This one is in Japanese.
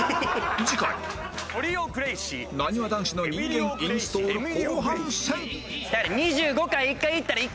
次回なにわ男子の人間インストール後半戦